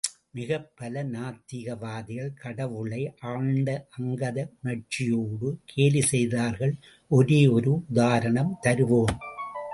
மிகப் பல நாத்திகவாதிகள் கடவுளை ஆழ்ந்த அங்கத உணர்ச்சியோடு கேலிசெய்தார்கள் ஒரே ஒரு உதாரணம் தருவோம்.